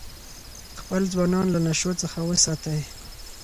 خپل ځوانان له نشو څخه وساتئ.